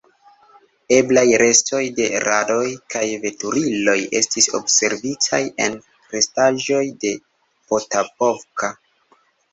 Eblaj restoj de radoj kaj veturiloj estis observitaj en restaĵoj de Potapovka.